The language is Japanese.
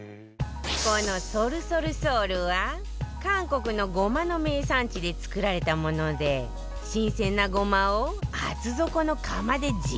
このソルソルソウルは韓国のごまの名産地で作られたもので新鮮なごまを厚底の釜でじっくり炒めて抽出